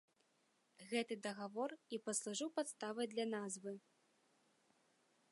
Гэты дагавор і паслужыў падставай для назвы.